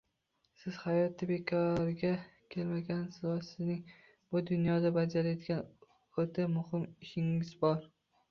Siz hayotga bekorga kelmagansiz va sizning bu dunyoda bajaradigan o’ta muhim ishingiz bor